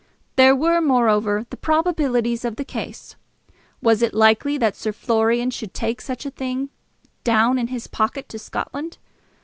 There were, moreover, the probabilities of the case. Was it likely that Sir Florian should take such a thing down in his pocket to Scotland?